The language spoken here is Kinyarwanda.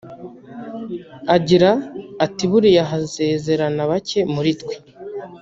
Agira ati “Buriya hasezerana bake muri twe